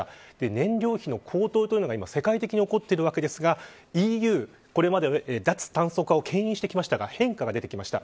燃料費の高騰が世界的に起こっているわけですがＥＵは、これまで脱炭素化をけん引してきましたが変化が出てきました。